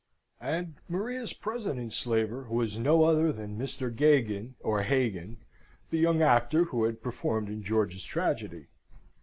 And Maria's present enslaver was no other than Mr. Geoghegan or Hagan, the young actor who had performed in George's tragedy.